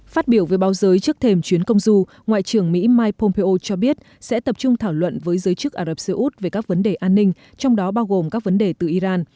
phát biểu với báo giới trước thềm chuyến công du ngoại trưởng mỹ mike pompeo cho biết sẽ tập trung thảo luận với giới chức ả rập xê út về các vấn đề an ninh trong đó bao gồm các vấn đề từ iran